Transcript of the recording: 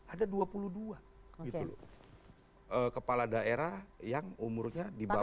ada dua puluh dua kepala daerah yang umurnya di bawah empat puluh tahun